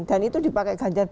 dan itu dipakai ganjar